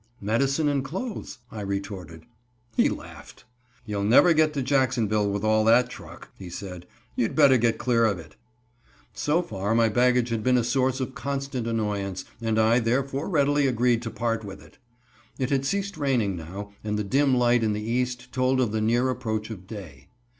"Medicine and clothes," I retorted. He laughed. "You'll never get to Jacksonville with all that truck," he said. "You'd better get clear of it." So far my baggage had been a source of constant annoyance, and I, therefore, readily agreed to part with it. It had ceased raining now, and the dim light in the east told of the near approach of day.